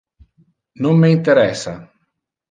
Non me interessa.